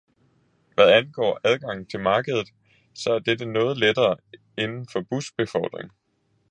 Hvad angår adgangen til markedet, så er dette noget lettere inden for busbefordring.